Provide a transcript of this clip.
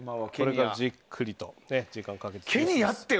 じっくりと時間をかけて。